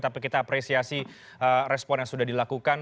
tapi kita apresiasi respon yang sudah dilakukan